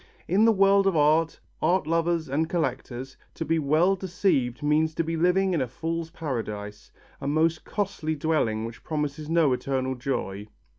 In the world of art, art lovers and collectors, to be well deceived means to be living in a fool's paradise, a most costly dwelling which promises no eternal joy.